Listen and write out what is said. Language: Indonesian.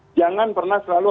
jangan pernah selalu